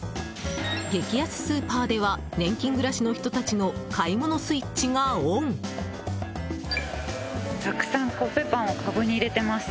激安スーパーでは年金暮らしの人たちの買い物スイッチがオン！